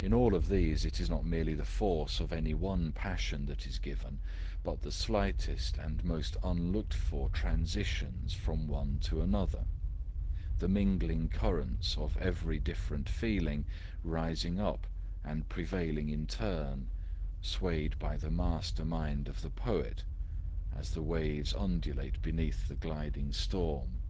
In all of these it is not merely the force of any one passion that is given, but the slightest and most unlooked for transitions from one to another, the mingling currents of every different feeling rising up and prevailing in turn, swayed by the master mind of the poet, as the waves undulate beneath the gliding storm.